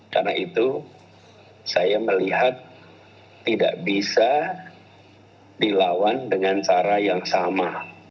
karena itu saya melihat tidak bisa dilawan dengan cara yang sama